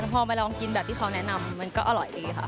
พอมาลองกินแบบที่เขาแนะนำมันก็อร่อยดีค่ะ